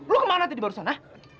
lo kemana tadi barusan ha